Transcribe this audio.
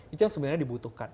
itu yang sebenarnya dibutuhkan